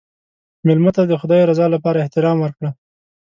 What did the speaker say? مېلمه ته د خدای رضا لپاره احترام ورکړه.